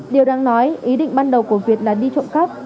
điều đáng nói ý định ban đầu của việt là đi trộm cắp